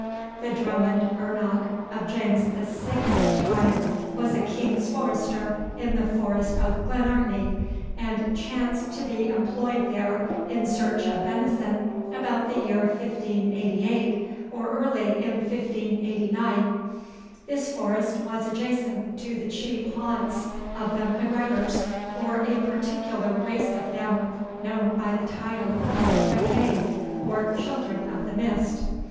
The Drummond ernoch of James the Sixth's time was a king's forester in the forest of Glenartney, and chanced to be employed there in search of venison about the year 1588, or early in 1589. This forest was adjacent to the chief haunts of the MacGregors, or a particular race of them, known by the title of MacEagh, or Children of the Mist.